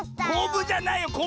こぶじゃないよ。